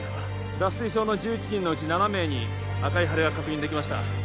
脱水症の１１人のうち７名に赤い腫れが確認できました